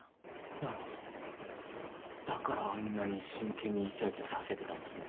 なるほどだからあんなに真剣にいちゃいちゃさせてたんですね。